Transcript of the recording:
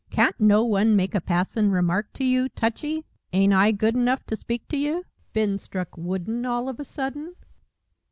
"Can't no one make a passin' remark to you, Touchy? Ain't I good enough to speak to you? Been struck wooden all of a sudden?"